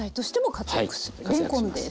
活躍します。